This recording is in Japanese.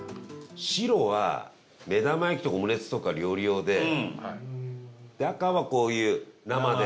白は、目玉焼きとかオムレツとか料理用で赤は、こういう生で。